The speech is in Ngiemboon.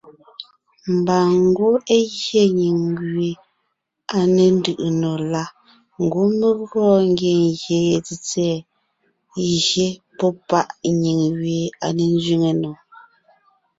Mba ngwɔ́ é gye nyìŋ gẅie à ne ńdʉʼʉ nò la, ngwɔ́ mé gɔɔn ngie ngyè ye tsètsɛ̀ɛ gye pɔ́ páʼ nyìŋ gẅie à ne ńzẅíŋe nò.